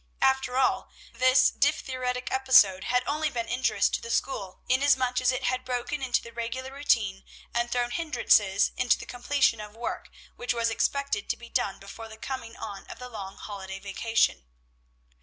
After all, this diphtheritic episode had only been injurious to the school inasmuch as it had broken into the regular routine, and thrown hindrances into the completion of work which was expected to be done before the coming on of the long holiday vacation.